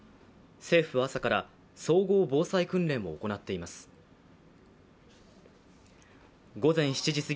政府は朝から総合防災訓練を行っています。